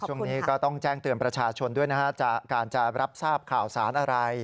ช่วงนี้ก็ต้องแจ้งเตือนประชาชนด้วยนะฮะการจะรับทราบข่าวสารอะไร